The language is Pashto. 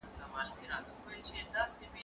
قلمان د زده کوونکي له خوا پاک کيږي؟!